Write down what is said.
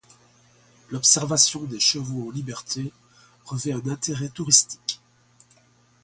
L'observation des chevaux en liberté revêt un intérêt touristique.